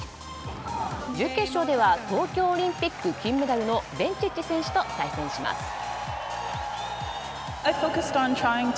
準決勝では東京オリンピック金メダルのベンチッチ選手と対戦します。